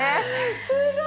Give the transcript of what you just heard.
すごーい！